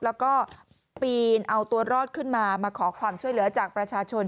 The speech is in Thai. แล้วก็ปีนเอาตัวรอดขึ้นมามาขอความช่วยเหลือจากประชาชน